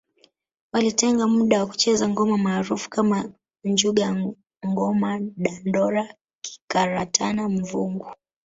Walitenga muda wa kucheza ngoma maarufu kama njuga ngoma dandaro kikaratana mvungu